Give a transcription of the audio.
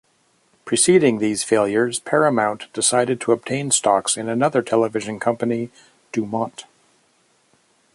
Preceding these failures Paramount decided to obtain stocks in another television company, DuMont.